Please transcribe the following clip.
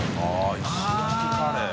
△石焼きカレー。